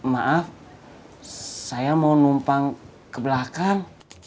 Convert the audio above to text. maaf saya mau numpang ke belakang